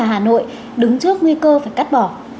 hà nội đứng trước nguy cơ phải cắt bỏ